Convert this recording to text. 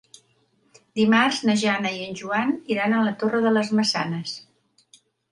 Dimarts na Jana i en Joan iran a la Torre de les Maçanes.